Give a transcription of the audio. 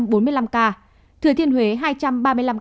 thừa thiên huế hai trăm ba mươi năm ca